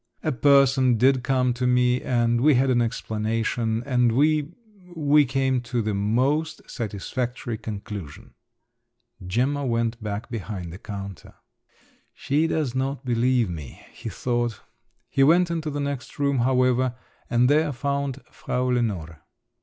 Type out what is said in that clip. "A person did come to me and we had an explanation, and we … we came to the most satisfactory conclusion." Gemma went back behind the counter. "She does not believe me!" he thought … he went into the next room, however, and there found Frau Lenore.